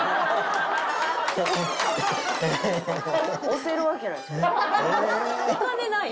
推せるわけない。